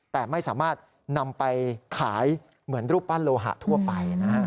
แต่ไม่สามารถนำไปขายเหมือนรูปปั้นโลหะทั่วไปนะฮะ